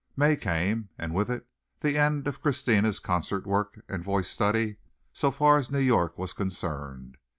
May came and with it the end of Christina's concert work and voice study so far as New York was concerned.